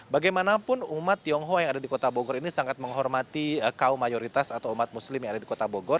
bagaimanapun umat tionghoa yang ada di kota bogor ini sangat menghormati kaum mayoritas atau umat muslim yang ada di kota bogor